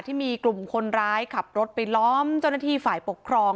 ที่มีกลุ่มคนร้ายขับรถไปล้อมเจ้าหน้าที่ฝ่ายปกครอง